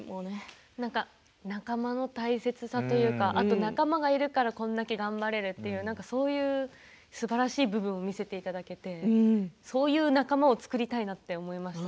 仲間の大切さというか仲間がいるからこれだけ頑張れるっていうそういうすばらしい部分を見せていただけてそういう仲間を作りたいなと思いました。